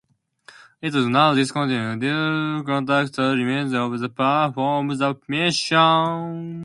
It is now discontinued, though contractors remained to perform the mission.